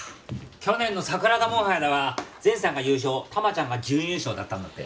去年の桜田門杯では善さんが優勝タマちゃんが準優勝だったんだって。